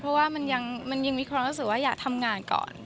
เพราะว่ามันยังมีความรู้สึกว่าอยากทำงานก่อน